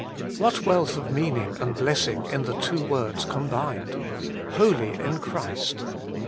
What wealth of meaning and blessing in the two words combined : HOLY IN CHRIST